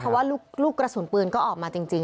เพราะว่าลูกกระสุนปืนก็ออกมาจริง